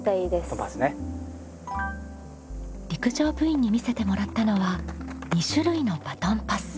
陸上部員に見せてもらったのは２種類のバトンパス。